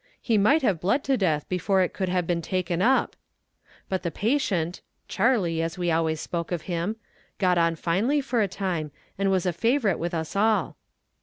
'He might have bled to death before it could have been taken up.' But the patient, (Charley, as we always spoke of him), got on finely for a time, and was a favorite with us all.